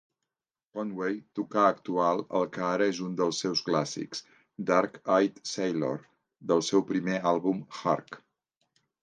Conway tocà actual el que ara és un dels seus clàssics, "Dark-Eyed Sailor" del seu primer àlbum "Hark".